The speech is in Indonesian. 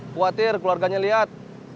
khawatir keluarganya lihat